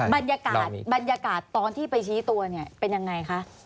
บรรยากาศบรรยากาศตอนที่ไปชี้ตัวเนี่ยเป็นยังไงคะ